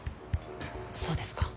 そうですか。